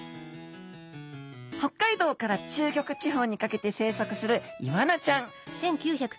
北海道から中国地方にかけて生息するイワナちゃん。